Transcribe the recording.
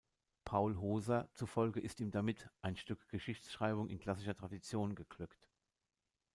Paul Hoser zufolge ist ihm damit „ein Stück Geschichtsschreibung in klassischer Tradition geglückt“.